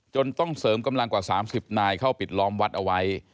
ต้องเสริมกำลังกว่า๓๐นายเข้าปิดล้อมวัดเอาไว้